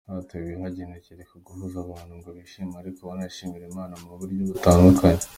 Cyateguwe hagenderewe ku guhuza abantu ngo bishime ariko banashimira Imana mu buryo butandukanye.